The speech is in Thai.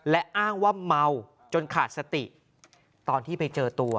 และอ้างว่าเมาจนขาดสติตอนที่ไปเจอตัว